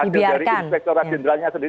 dari inspektor generalnya sendiri